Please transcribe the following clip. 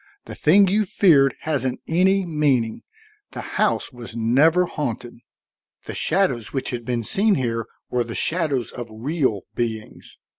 The thing you feared hasn't any meaning. The house was never haunted; the shadows which have been seen here were the shadows of real beings.